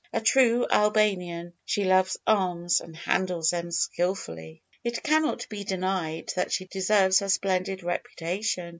A true Albanian, she loves arms, and handles them skilfully. It cannot be denied, that she deserves her splendid reputation.